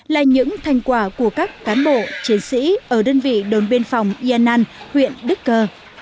là những thành quả của các cán bộ chiến sĩ ở đơn vị đồn biên phòng yên an huyện đức cơ